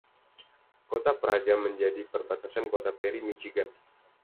Kotapraja menjadi perbatasan kota Perry, Michigan.